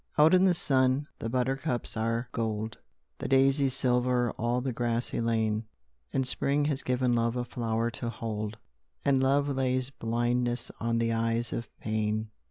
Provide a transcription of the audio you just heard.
OUT in the sun the buttercups are gold, The daisies silver all the grassy lane, And spring has given love a flower to hold, And love lays blindness on the eyes of pain.